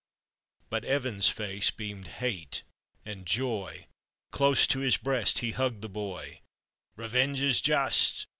But Evan's face beamed hate and joy; Close to his breast he hugg'd the boy :" Revenge is just